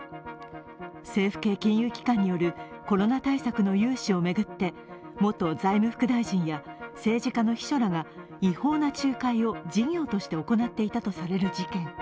政府系金融機関によるコロナ対策の融資を巡って元財務副大臣や政治家の秘書らが違法な仲介を事業として行っていたとされる事件。